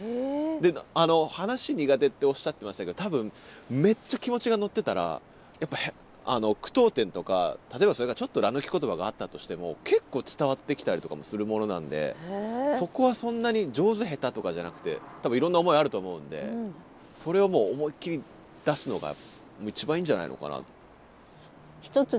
話苦手っておっしゃってましたけど多分めっちゃ気持ちが乗ってたらやっぱ句読点とか例えばそれがちょっとら抜き言葉があったとしても結構伝わってきたりとかもするものなんでそこはそんなに上手下手とかじゃなくて多分いろんな思いあると思うんでそれをもう思いっきり出すのが一番いいんじゃないのかな。